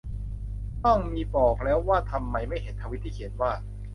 น่อง มีบอกแล้วว่าทำไมไม่เห็นทวีตที่เขียนว่า